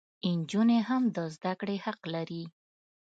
انجونې هم د زدکړي حق لري